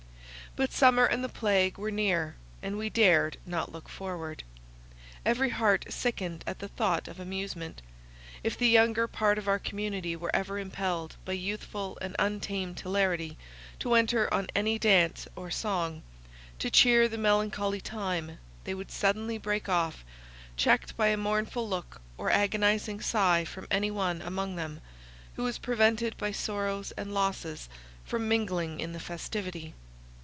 But summer and the plague were near, and we dared not look forward. Every heart sickened at the thought of amusement; if the younger part of our community were ever impelled, by youthful and untamed hilarity, to enter on any dance or song, to cheer the melancholy time, they would suddenly break off, checked by a mournful look or agonizing sigh from any one among them, who was prevented by sorrows and losses from mingling in the festivity.